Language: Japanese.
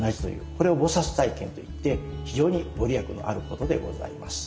これを「菩体験」と言って非常にご利益のあることでございます。